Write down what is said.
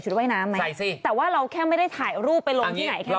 ฉันไปดูแสงเหนือ